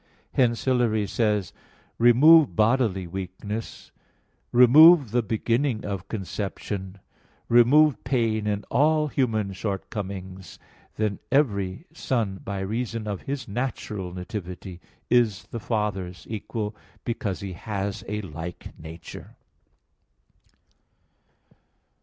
Hence, Hilary says (De Synod. Can. 27): "Remove bodily weakness, remove the beginning of conception, remove pain and all human shortcomings, then every son, by reason of his natural nativity, is the father's equal, because he has a like nature."